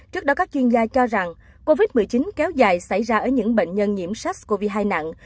trước đó các chuyên gia cho rằng covid một mươi chín kéo dài xảy ra ở những bệnh nhân nhiễm sars cov hai nặng